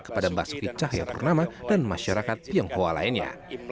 kepada basuki cahayapurnama dan masyarakat tionghoa lainnya